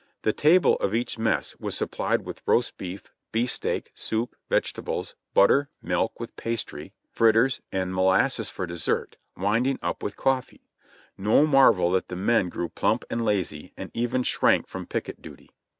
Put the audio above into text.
The table of each mess was supplied with roast beef, beef steak, soup, vegetables, butter, milk, with pastry, fritters and molasses for desert, winding up with coffee. No marvel that the men grew plump and lazy, and even shrank from picket duty.